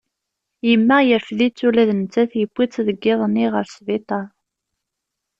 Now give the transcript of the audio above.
Yemmeɣ yerfed-itt ula d nettat yewwi-tt deg yiḍ-nni ɣer sbiṭar.